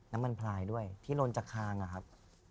พลายด้วยที่ลนจากคางนะครับ